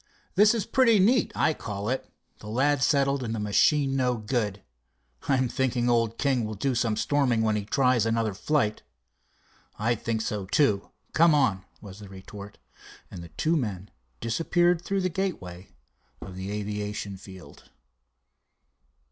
This is pretty neat, I call it—the lad settled, and the machine no good. I'm thinking old King will do some storming, when he tries another flight." "I think so, too. Come on," was the retort, and the two men disappeared through the gateway of the aviation field.